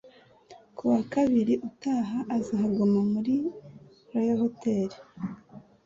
Ku wa kabiri utaha, azaguma muri Royal Hotel.